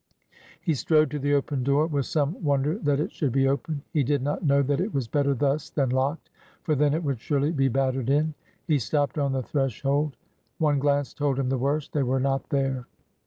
He strode to the open door, with some wonder that it should be open. He did not know that it was better thus than locked, for then it ''SCATTERED AND PEELED" 333 would surely be battered in. He stopped on the thresh old. One glance told him the worst. They were not there.